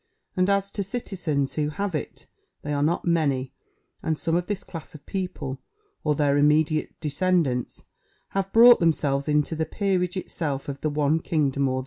And as to citizens who have it, they are not many; and some of this class of people, or their immediate descendants, have bought themselves into the peerage itself of the one kingdom or the other."